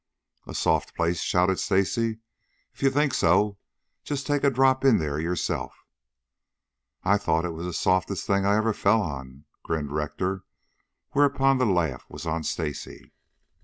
"A soft place?" shouted Stacy. "If you think so, just take a drop in there yourself." "I thought it was the softest thing I ever fell on," grinned Rector, whereupon the laugh was on Stacy.